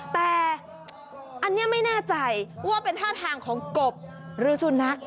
แต่อันนี้ไม่แน่ใจว่าเป็นท่าทางของกบหรือสุนัข